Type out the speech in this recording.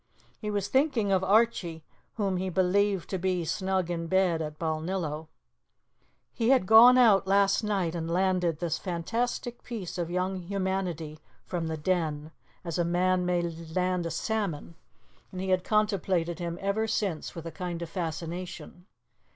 He was thinking of Archie, whom he believed to be snug in bed at Balnillo. He had gone out last night and landed this fantastic piece of young humanity from the Den, as a man may land a salmon, and he had contemplated him ever since with a kind of fascination.